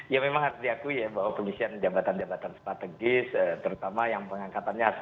ya memang harus diaku ya bahwa kondisian jabatan jabatan strategis terutama yang pengangkatannya harus